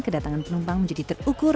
kedatangan penumpang menjadi terukur